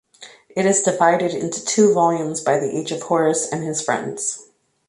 It is divided into two volumes by the age of Horace and his friends.